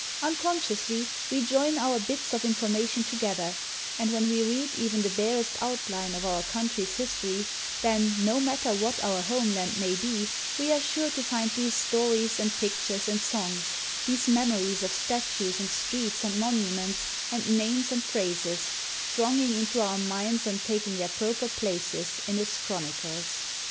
Uncon sciously we join our bits of information together, and when we read even the barest outline of our country's history, then, no matter what our home land may be, we are sure to find these stories and pictures and songs, these memories of statues and streets and monuments and names and phrases, thronging into our minds and taking their proper places in its chronicles.